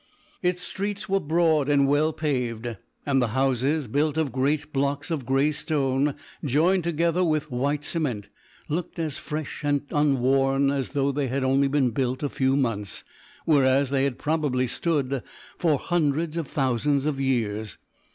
Its streets were broad and well paved, and the houses, built of great blocks of grey stone joined together with white cement, looked as fresh and unworn as though they had only been built a few months, whereas they had probably stood for hundreds of thousands of years.